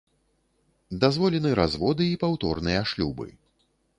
Дазволены разводы і паўторныя шлюбы.